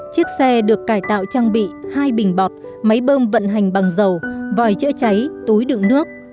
chiếc xe được cải tạo trang bị hai bình bọt máy bơm vận hành bằng dầu vòi chữa cháy túi đựng nước